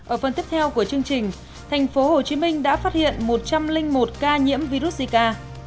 ở phần tiếp theo của chương trình thành phố hồ chí minh đã phát hiện một trăm linh một ca nhiễm virus zika